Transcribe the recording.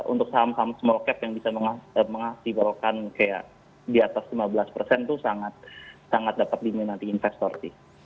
untuk saham saham small cap yang bisa mengakibatkan kayak di atas lima belas persen itu sangat dapat diminati investor sih